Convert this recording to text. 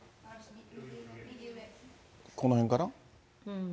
この辺かな？